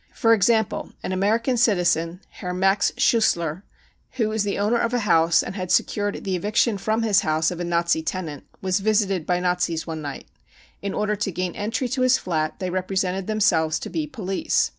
For example, an American citizen, Herr Max Schussler, who is the owner of a house and had secured the eviction from his house of a Nazi tenant, was visited by Nazis one night. In order to gain entry to his flat they represented themselves to be police.